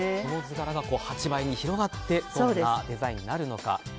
この図柄が８枚に広がってどんなデザインになるのか。